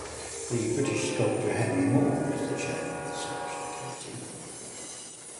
The British sculptor Henry Moore was chairman of the selection committee.